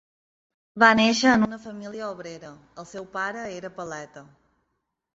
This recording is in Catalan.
Va néixer en una família obrera, el seu pare era paleta.